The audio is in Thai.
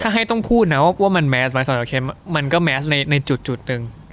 ถ้าให้ต้องพูดนะว่าว่ามันแมสมันก็แมสในจุดหนึ่ง